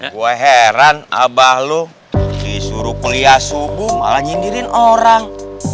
gue heran abah lo disuruh kuliah subuh malah nyindirin orang